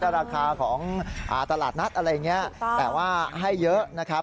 ราคาของตลาดนัดอะไรอย่างนี้แต่ว่าให้เยอะนะครับ